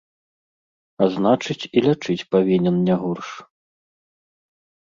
А значыць, і лячыць павінен не горш.